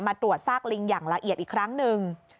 ตรวจซากลิงอย่างละเอียดอีกครั้งหนึ่ง